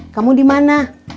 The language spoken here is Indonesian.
kamu di mana